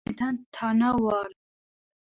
მე შენ თანა ვარ.